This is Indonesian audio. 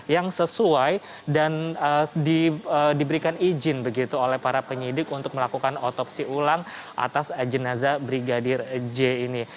yang sesuai dan diberikan izin begitu oleh para penyidik untuk melakukan otopsi ulang atas jenazah brigadir j ini